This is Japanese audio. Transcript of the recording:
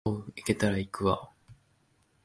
お、おう、行けたら行くわ